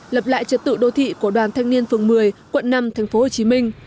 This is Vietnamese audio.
lập lại trật tự đô thị của đoàn thanh niên phường một mươi quận năm tp hcm